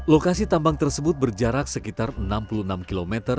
lokasi tambang tersebut berjarak sekitar enam puluh enam km